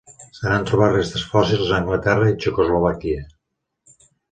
Se n'han trobat restes fòssils a Anglaterra i Txecoslovàquia.